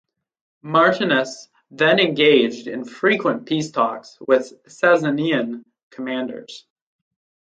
Martinus then engaged in frequent peace talks with Sasanian commanders.